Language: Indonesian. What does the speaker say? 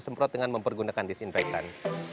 semprot dengan mempergunakan disinfektan